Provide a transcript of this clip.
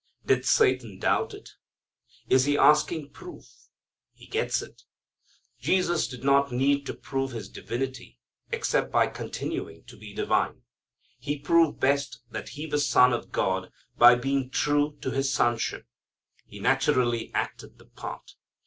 Did Satan doubt it? Is he asking proof? He gets it. Jesus did not need to prove His divinity except by continuing to be divine. He proved best that He was Son of God by being true to His Sonship. He naturally acted the part.